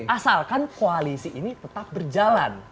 asalkan koalisi ini tetap berjalan